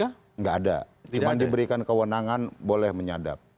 tidak ada cuma diberikan kewenangan boleh menyadap